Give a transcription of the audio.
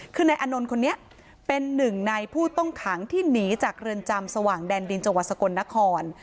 คือนายอานนท์คนนี้เป็นหนึ่งในผู้ต้องขังที่หนีจากเรือนจำสว่างแดนดินจังหวัดสกลนคร